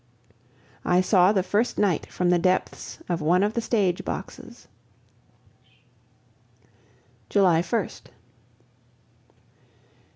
I saw the first night from the depths of one of the stage boxes. July 1st.